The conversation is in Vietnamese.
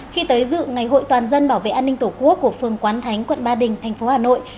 khi tới dự ngày hội toàn dân bảo vệ an ninh tổ quốc của phường quán thánh quận ba đình thành phố hà nội